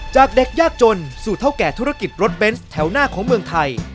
จากเด็กยากจนสู่เท่าแก่ธุรกิจรถเบนส์แถวหน้าของเมืองไทย